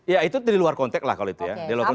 ya itu di luar konteks lah kalau itu ya